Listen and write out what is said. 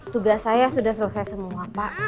tugas saya sudah selesai semua pak